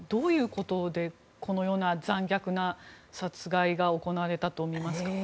なぜ、このような残虐な殺害が行われたとみますか？